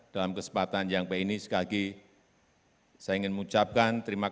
dalam kesempatan yang baik ini